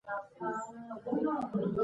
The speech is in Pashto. ایوب خان به خېمې ودرولي.